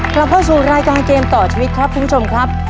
กลับเข้าสู่รายการเกมต่อชีวิตครับคุณผู้ชมครับ